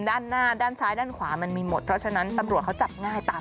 ด้านหน้าด้านซ้ายด้านขวามันมีหมดเพราะฉะนั้นตำรวจเขาจับง่ายตาม